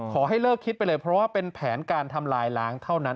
ขอให้เลิกคิดไปเลยเพราะว่าเป็นแผนการทำลายล้างเท่านั้น